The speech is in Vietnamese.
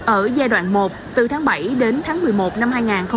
ở giai đoạn một từ tháng bảy đến tháng một mươi một năm hai nghìn hai mươi